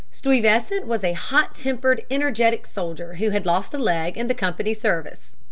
Stuyvesant was a hot tempered, energetic soldier who had lost a leg in the Company's service.